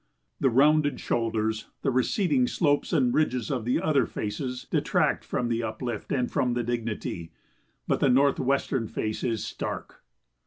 The rounded shoulders, the receding slopes and ridges of the other faces detract from the uplift and from the dignity, but the northwestern face is stark.